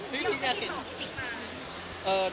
พี่ติ๊กอยากเห็น